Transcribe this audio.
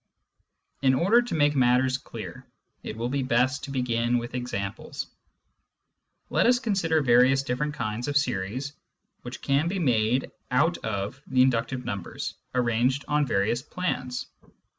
In order to make matters clear, it will be best to begin with examples. Let us first consider various different kinds of series which can be made out of the inductive numbers arranged on various plans.